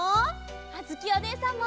あづきおねえさんも！